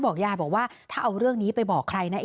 บอกยายบอกว่าถ้าเอาเรื่องนี้ไปบอกใครนะ